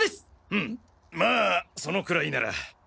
フムまあそのくらいなら。